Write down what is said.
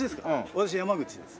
私山口です。